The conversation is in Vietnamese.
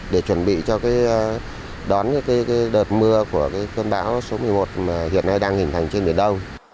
để chuẩn bị cho đón đợt mưa của cơn bão số một mươi một hiện nay đang hình thành trên biển đông